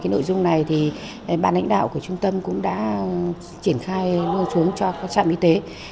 nội dung này thì ban lãnh đạo của trung tâm cũng đã triển khai nuôi xuống cho các trạm y tế